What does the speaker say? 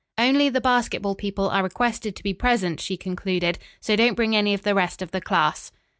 "Only the basketball people are requested to be present," she concluded, "so don't bring any of the rest of the class."